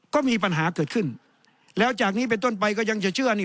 ก็มีปัญหาเกิดขึ้นแล้วจากนี้เป็นต้นไปก็ยังจะเชื่อนี่